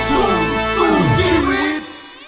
โปรดทุกทีเว็บ